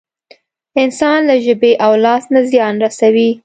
انسان له ژبې او لاس نه زيان رسوي.